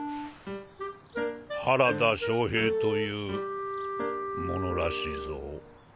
原田正平という者らしいぞ。